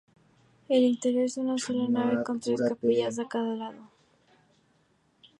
El interior es de una sola nave, con tres capillas en cada lado.